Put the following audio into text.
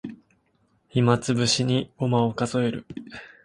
暇つぶしにごまを数える